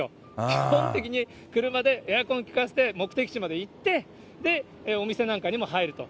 基本的に車で、エアコン効かせて、目的地まで行って、で、お店なんかにも入ると。